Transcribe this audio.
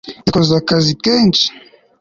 Yakoze akazi kenshi